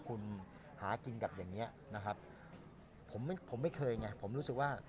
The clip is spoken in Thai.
คุณหากินแบบอย่างเงี้ยนะครับผมไม่ผมไม่เคยไงผมรู้สึกว่า